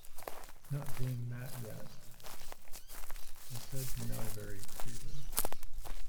Not being that yet, I said no very freely.